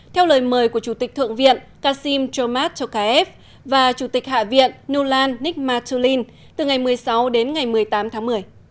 theo lời mời của chủ tịch thượng viện kasim chomad chokev và chủ tịch hạ viện nulan nikmatulin từ ngày một mươi sáu đến ngày một mươi tám tháng một mươi